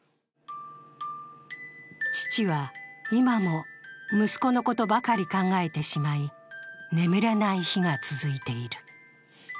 父は今も息子のことばかり考えてしまい眠れない日が続いている。